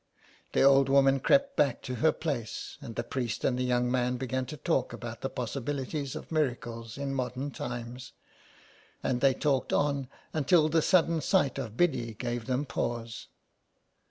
The old woman crept back to her place and the priest and the young man began to talk about the possibilities of miracles in modern times, and they talked on until the sudden sight of Biddy gave them pause.